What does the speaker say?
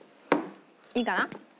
いいかな？